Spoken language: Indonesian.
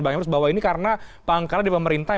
bang emrus bahwa ini karena pangkalan di pemerintah